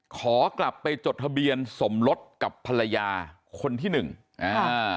ขอกลับไปจดทะเบียนสมรสกับภรรยาคนที่หนึ่งอ่า